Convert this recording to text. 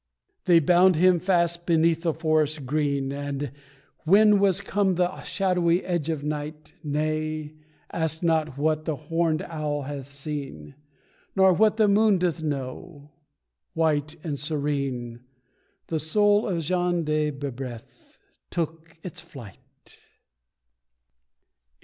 They bound him fast beneath the forest green, And when was come the shadowy edge of night Nay ask not what the horned owl hath seen, Nor what the moon doth know white and serene The soul of Jean de Breboeuf took its flight.